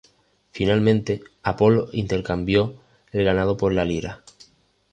Finalmente, Apolo intercambió el ganado por la lira.